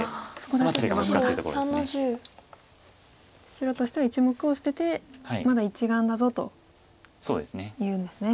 白としては１目を捨ててまだ１眼だぞと言うんですね。